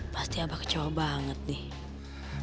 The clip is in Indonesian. pasti apa kecewa banget nih